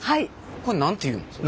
これ何ていうんですか？